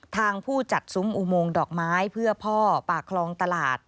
ผู้จัดซุ้มอุโมงดอกไม้เพื่อพ่อปากคลองตลาด